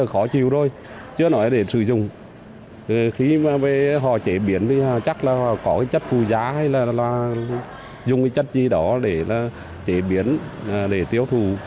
họ chế biến thì chắc là có chất phù giá hay là dùng chất gì đó để chế biến để tiêu thụ